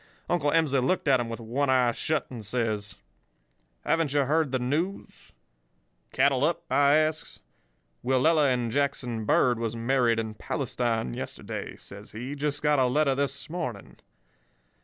Uncle Emsley looked at 'em with one eye shut and says: "'Haven't ye heard the news?' "'Cattle up?' I asks. "'Willella and Jackson Bird was married in Palestine yesterday,' says he. 'Just got a letter this morning.